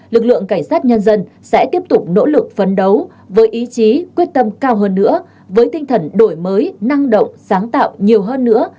lực lượng cảnh sát nhân dân sẽ tiếp tục nỗ lực phấn đấu với ý chí quyết tâm cao hơn nữa với tinh thần đổi mới năng động sáng tạo nhiều hơn nữa